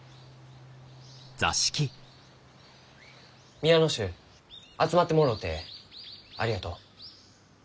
皆の衆集まってもろうてありがとう。